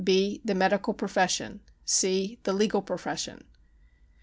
B. The medical profession. G. The legal profession.